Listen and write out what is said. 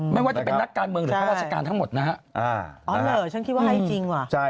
ไม่ว่าจะเป็นนักการเมืองหรือว่าทางราชการทั้งหมดนะฮะ